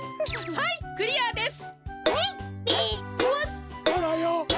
はいクリアです！